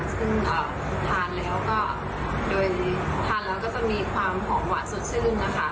ซึ่งทานแล้วก็จะมีความหอมหวานสดชื่นนะคะ